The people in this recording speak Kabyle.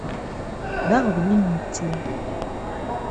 D aɣbel inmetti.